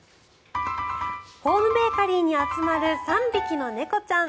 ホームベーカリーに集まる３匹の猫ちゃん。